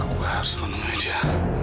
aku harus menunggu dia